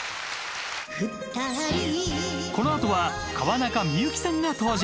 このあとは川中美幸さんが登場